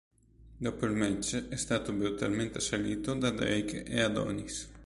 Dopo il match è stato brutalmente assalito da Drake e Adonis.